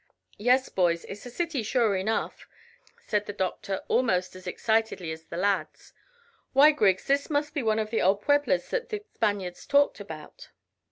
"Yes, boys; it's a city, sure enough," said the doctor almost as excitedly as the lads. "Why, Griggs, this must be one of the old pueblas that the Spaniards talked about."